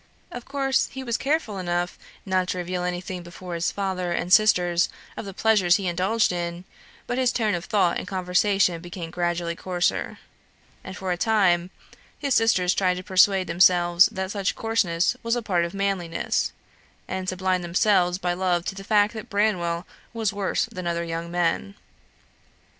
Of course, he was careful enough not to reveal anything before his father and sisters of the pleasures he indulged in; but his tone of thought and conversation became gradually coarser, and, for a time, his sisters tried to persuade themselves that such coarseness was a part of manliness, and to blind themselves by love to the fact that Branwell was worse than other young men.